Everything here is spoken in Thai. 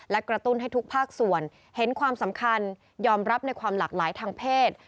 และกระตุ้นให้ทุกภาคส่วนเห็นความสำคัญยอมรับในความหลากหลายทางเพศ